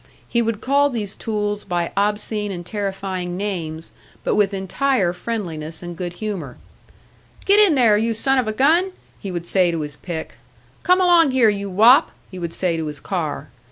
He would call these tools by obscene and terrifying names but with entire friendliness and good humour. "Get in there, you son of a gun!" he would say to his pick. "Come along here, you wop!" he would say to his car.